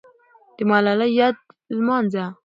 د ملالۍ یاد لمانځه.